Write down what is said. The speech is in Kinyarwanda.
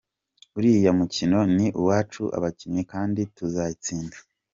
Uriya mukino ni uwacu abakinnyi kandi tuzayitsinda.